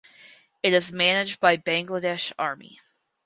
It is managed by Bangladesh Army.